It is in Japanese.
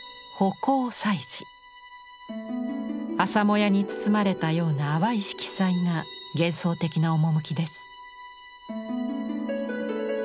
朝もやに包まれたような淡い色彩が幻想的な趣です。